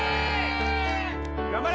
・頑張れ！